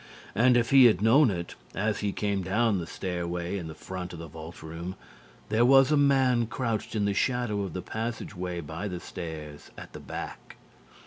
And if he had known it, as he came down the stairway in the front of the vault room, there was a man crouched in the shadow of the passage way by the stairs at the back.